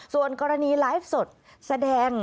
ส่วนกรณีไลฟ์สดแสดง